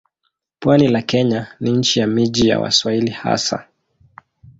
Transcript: Pwani la Kenya ni nchi ya miji ya Waswahili hasa.